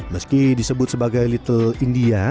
meski disebut sebagai little india